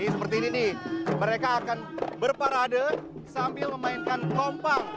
seperti ini nih mereka akan berparade sambil memainkan kompang